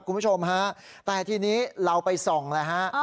คุณผู้ชมฮะแต่ทีนี้เราไปส่องแล้วฮะ